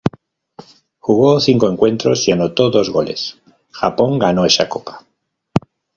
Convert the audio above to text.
Jugó cinco encuentros y anotó dos goles, Japón ganó esa copa.